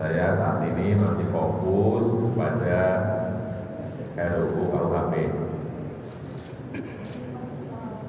saya saat ini masih fokus pada ruu palunga periangada